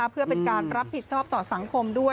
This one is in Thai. เพื่อเป็นการรับผิดชอบต่อสังคมด้วย